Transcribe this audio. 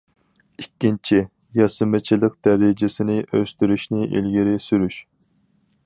ئىككىنچى، ياسىمىچىلىق دەرىجىسىنى ئۆستۈرۈشنى ئىلگىرى سۈرۈش.